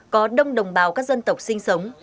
có đông đồng bào các dân tộc sinh sống